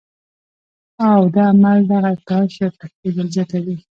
او دا عمل دغه ارتعاش يا تښنېدل زياتوي